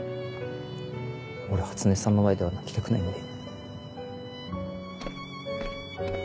俺初音さんの前では泣きたくないんで。